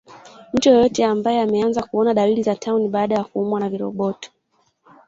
Mtu yeyote ambaye ameanza kuona dalili za tauni baada ya kuumwa na viroboto